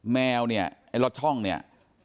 แมวเนี่ยไอ้ล็อตช่องเนี่ย